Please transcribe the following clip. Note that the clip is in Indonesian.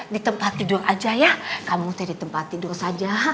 di tempat tidur aja ya kamu cari tempat tidur saja